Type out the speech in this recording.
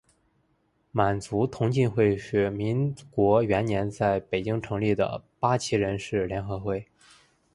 满族同进会是民国元年在北京成立的八旗人士联合会。